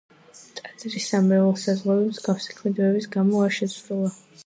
ტაძრის სამრევლოს საზღვრები მსგავსი ქმედებების გამო არ შეცვლილა.